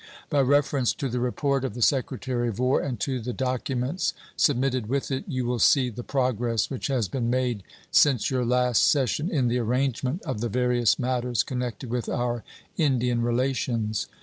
By reference to the report of the Secretary of War and to the documents submitted with it you will see the progress which has been made since your last session in the arrangement of the various matters connected with our Indian relations.